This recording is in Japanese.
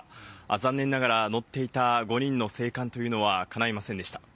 残念ながら、乗っていた５人の生還というのはかないませんでした。